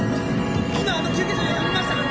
今救急車呼びましたからね。